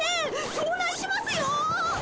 そうなんしますよ！